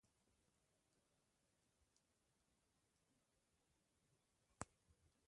دوی سیالي نوره هم بې رحمانه کړې ده